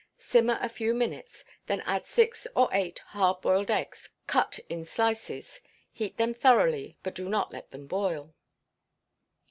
Simmer a few minutes, then add six or eight hard boiled eggs cut in slices; heat them thoroughly, but do not let them boil.